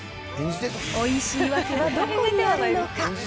おいしい訳はどこにあるのか。